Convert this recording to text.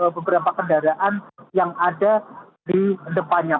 beberapa kendaraan yang ada di depannya